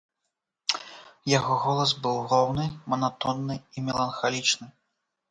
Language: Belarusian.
Яго голас быў роўны, манатонны і меланхалічны.